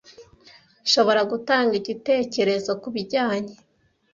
Nshobora gutanga igitekerezo kubijyanye?